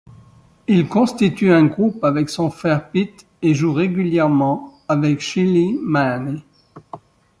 Il constitue un groupe avec son frère Pete et joue régulièrement avec Shelly Manne.